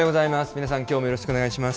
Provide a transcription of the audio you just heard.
皆さん、きょうもよろしくお願い